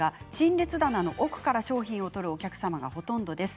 陳列棚の奥から商品を取るお客様がほとんどです。